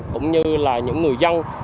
cũng như là những người dân